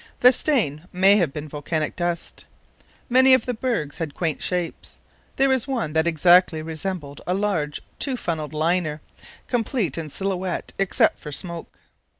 The stain may have been volcanic dust. Many of the bergs had quaint shapes. There was one that exactly resembled a large two funnel liner, complete in silhouette except for smoke.